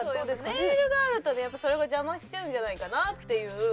ネイルがあるとねそれが邪魔しちゃうんじゃないかなっていう。